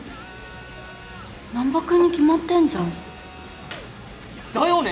難破君に決まってんじゃん。だよね！